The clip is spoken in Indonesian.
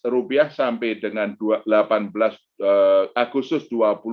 rp sampai dengan delapan belas agustus dua ribu dua puluh